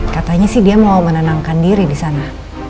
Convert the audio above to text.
katanya sih dia mau menenangkan diri disana